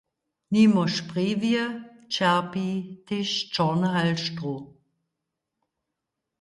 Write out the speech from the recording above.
Nimo Sprjewje ćerpi tež Čorny Halštrow.